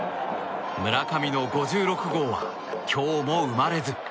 村上の５６号は今日も生まれず。